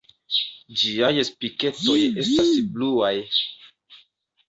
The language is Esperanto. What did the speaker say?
Ĝiaj spiketoj estas bluaj.